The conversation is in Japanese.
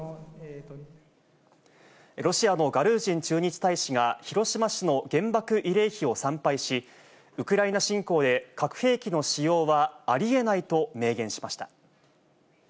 ロシアのガルージン駐日大使が、広島市の原爆慰霊碑を参拝し、ウクライナ侵攻で核兵器の使用はありえないと明言しました。